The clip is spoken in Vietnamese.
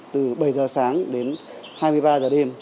từ bảy giờ sáng đến hai mươi ba giờ đêm